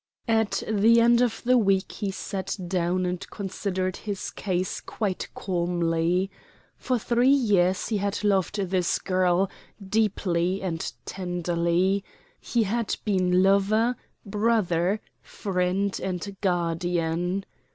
At the end of the week he sat down and considered his case quite calmly. For three years he had loved this girl, deeply and tenderly. He had been lover, brother, friend, and guardian.